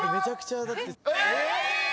え